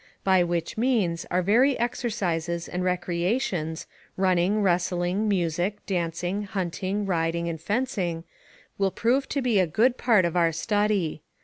By which means our very exercises and recreations, running, wrestling, music, dancing, hunting, riding, and fencing, will prove to be a good part of our study.